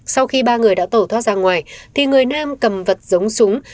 sau khi ba người đã tẩu thoát ra ngoài thì người nam cầm vật giống súng